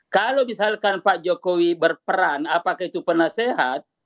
kalau misalkan pak jokowi berperan apakah itu penasehat